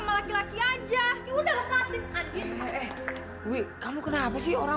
makanya dia kayak gini dia haus kasih